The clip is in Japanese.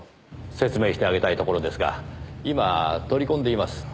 説明してあげたいところですが今取り込んでいます。